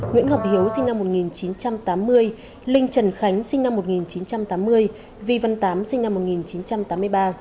nguyễn ngọc hiếu sinh năm một nghìn chín trăm tám mươi linh trần khánh sinh năm một nghìn chín trăm tám mươi vi văn tám sinh năm một nghìn chín trăm tám mươi ba